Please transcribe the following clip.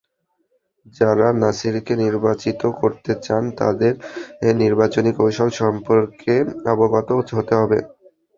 যাঁরা নাছিরকে নির্বাচিত করতে চান, তাঁদের নির্বাচনী কৌশল সম্পর্কে অবগত হতে হবে।